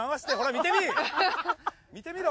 見てみろ！